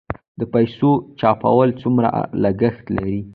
د پیسو چاپول څومره لګښت لري؟